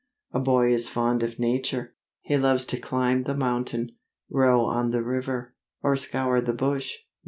A boy is fond of Nature. He loves to climb the mountain, row on the river, or scour the bush.